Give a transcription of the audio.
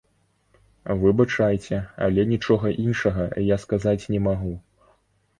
Выбачайце, але нічога іншага я сказаць не магу.